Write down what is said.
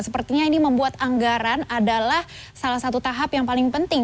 sepertinya ini membuat anggaran adalah salah satu tahap yang paling penting